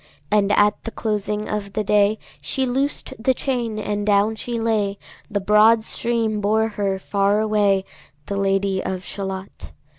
And at the closing of the day She loosed the chain, and down she lay; The broad stream bore her far away, The Lady of Shalott.